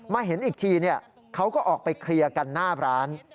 เห็นอีกทีเขาก็ออกไปเคลียร์กันหน้าร้าน